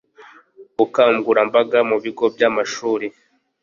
ubukangurambaga mu bigo by amashuri